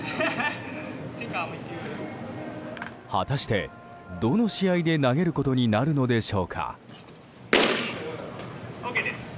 果たして、どの試合で投げることになるのでしょうか。